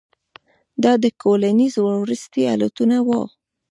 دا د کولینز وروستۍ الوتنه وه.